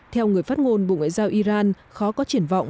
theo người phát ngôn bộ ngoại giao iran khó có triển vọng